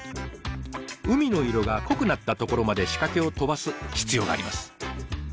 海の色が濃くなった所まで仕掛けを飛ばす必要があります。